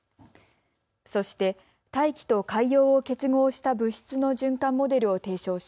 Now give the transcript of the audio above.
そして大気と海洋を結合した物質の循環モデルを提唱し、